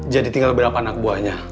jadi tinggal berapa anak buahnya